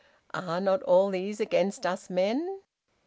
Are not all these against us men?